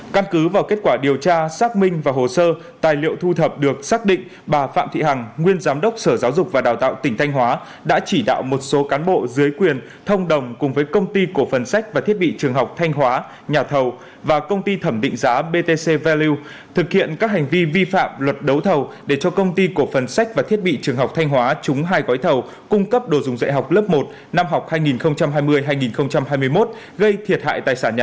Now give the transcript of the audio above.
căn cứ vào kết quả điều tra xác minh và hồ sơ tài liệu thu thập được xác định bà phạm thị hằng nguyên giám đốc sở giáo dục và đào tạo tỉnh thanh hóa đã chỉ đạo một số cán bộ dưới quyền thông đồng cùng với công ty cổ phần sách và thiết bị trường học thanh hóa nhà thầu và công ty thẩm định giá btc value thực hiện các hành vi vi phạm luật đấu thầu để cho công ty cổ phần sách và thiết bị trường học thanh hóa chúng hai gói thầu cung cấp đồ dùng dạy học lớp một năm học hai nghìn hai mươi hai nghìn hai mươi một gây thiệt hại tài sản